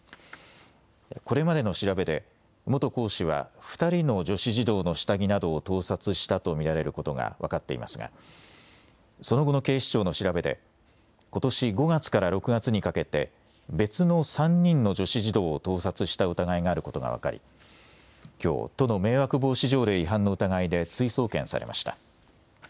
これまでの調べで、元講師は、２人の女子児童の下着などを盗撮したと見られることが分かっていますが、その後の警視庁の調べで、ことし５月から６月にかけて、別の３人の女子児童を盗撮した疑いがあることが分かり、きょう、都の迷惑防止条例違反の疑いで追送検されました。